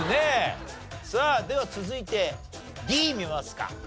さあでは続いてＤ見ますか。